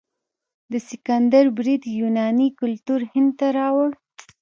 د سکندر برید یوناني کلتور هند ته راوړ.